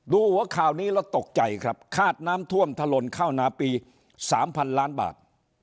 หัวข่าวนี้แล้วตกใจครับคาดน้ำท่วมถลนข้าวนาปี๓๐๐๐ล้านบาท